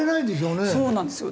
そうなんですよ。